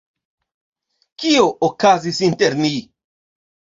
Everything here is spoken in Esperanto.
Kio okazis inter ni?